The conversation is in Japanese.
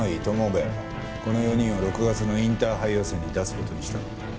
この４人を６月のインターハイ予選に出す事にした。